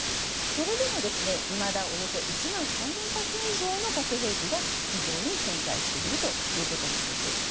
それでも、いまだおよそ１万３０００発以上の核兵器が地上に存在しているということです。